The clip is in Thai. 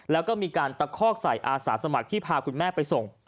แล้วก็มีการตะคอกใส่อาสาสมัครที่พาคุณแม่ไปส่ง